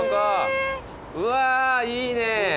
うわいいね。